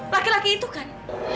laki laki itu kan